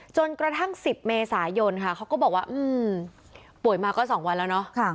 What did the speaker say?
จนกระทั่ง๑๐เมษายนค่ะเขาก็บอกว่าป่วยมาก็๒วันแล้วเนอะ